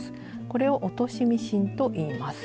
これを「落としミシン」といいます。